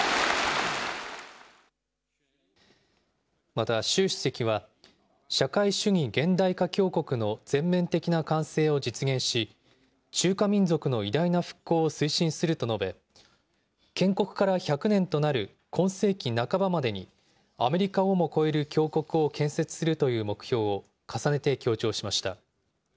また習主席は、社会主義現代化強国の全面的な完成を実現し、中華民族の偉大な復興を推進すると述べ、建国から１００年となる今世紀半ばまでに、アメリカをも超える強国を建設するという目標を重ねて強調しました。